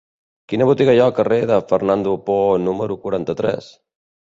Quina botiga hi ha al carrer de Fernando Poo número quaranta-tres?